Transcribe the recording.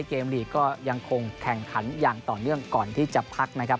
ลีกก็ยังคงแข่งขันอย่างต่อเนื่องก่อนที่จะพักนะครับ